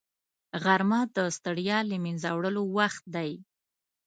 غرمه د ستړیا له منځه وړلو وخت دی